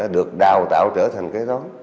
được đào tạo trở thành cái đó